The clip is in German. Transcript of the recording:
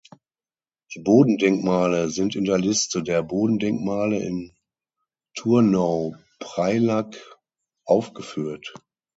Die Bodendenkmale sind in der Liste der Bodendenkmale in Turnow-Preilack aufgeführt.